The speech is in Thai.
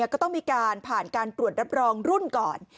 ก็ต้องมีการผ่านการตรวจรับรองรุ่นก่อน